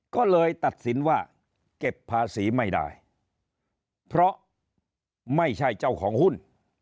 ก็เลยตัดสินว่าเก็บภาษีไม่ได้เพราะไม่ใช่เจ้าของหุ้น